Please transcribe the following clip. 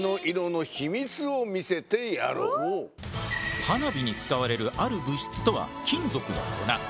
では花火に使われるある物質とは金属の粉。